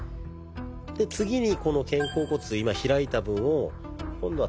で次にこの肩甲骨今開いた分を今度は閉じる。